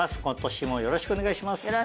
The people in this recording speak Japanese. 今年もよろしくお願いします。